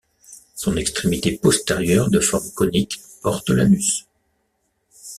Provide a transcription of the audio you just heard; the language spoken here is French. Son extrémité postérieure de forme conique porte l’anus.